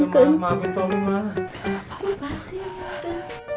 kipasin yang kenceng